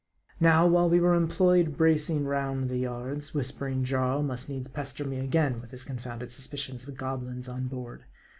Now, while we were employed bracing round the yards, whispering Jarl must needs pester me again with his con founded suspicions of goblins on board.